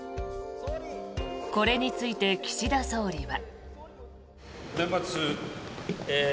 これについて、岸田総理は。